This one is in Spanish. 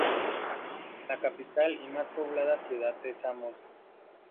La capital y más poblada ciudad es Amos.